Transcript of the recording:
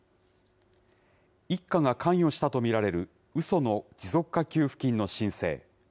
一家が関与したと見られるうその持続化給付金の申請。